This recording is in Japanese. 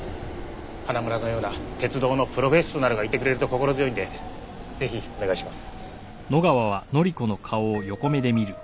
花村のような鉄道のプロフェッショナルがいてくれると心強いんでぜひお願いします。